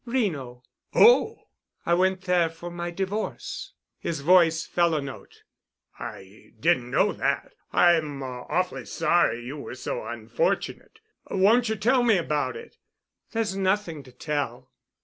"Reno." "Oh!" "I went there for my divorce." His voice fell a note. "I didn't know that. I'm awfully sorry you were so unfortunate. Won't you tell me about it?" "There's nothing to tell.